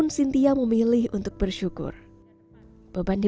dan kamu bisa tahan kerajaan mekopawa